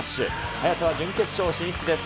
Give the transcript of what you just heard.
早田は準決勝進出です。